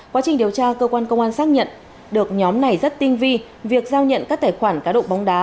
quá trình điều tra cơ quan công an xác nhận được nhóm này rất tinh vi việc giao nhận các tài khoản cá độ bóng đá